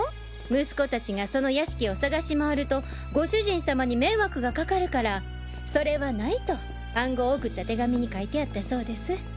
息子達がその屋敷を探し回ると御主人様に迷惑がかかるからそれはないと暗号を送った手紙に書いてあったそうです。